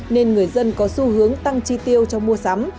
nên người dân có xu hướng tăng chi tiêu trong mua sắm